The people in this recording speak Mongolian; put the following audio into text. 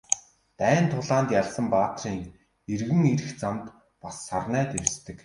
Дайн тулаанд ялсан баатрын эргэн ирэх замд бас сарнай дэвсдэг.